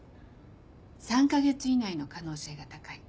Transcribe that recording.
３カ月以内の可能性が高い